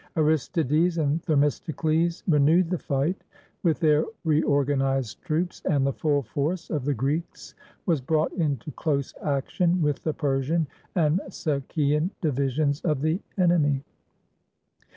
Aristides and Themistocles renewed the fight with their reorganized troops, and the full force of the Greeks was brought into close action with the Persian and Sacian divisions of the enemy.